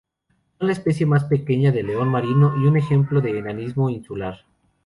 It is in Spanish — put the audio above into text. Son la especie más pequeña de león marino y un ejemplo de enanismo insular.